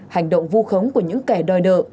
hành động vô khống của những kẻ đòi nợ